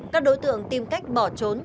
các đối tượng tìm cách bỏ trốn